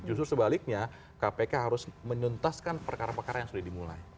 justru sebaliknya kpk harus menuntaskan perkara perkara yang sudah dimulai